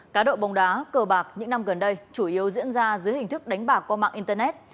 cá độ bóng đá cờ bạc những năm gần đây chủ yếu diễn ra dưới hình thức đánh bạc qua mạng internet